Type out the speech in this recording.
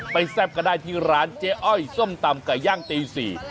แซ่บก็ได้ที่ร้านเจ๊อ้อยส้มตำไก่ย่างตี๔